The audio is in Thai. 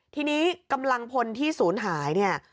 ทีนี้กำลังพลที่ศูนย์หายเนี่ย